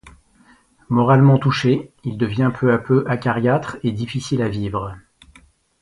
Moralement touché, il devient peu à peu acariâtre et difficile à vivre.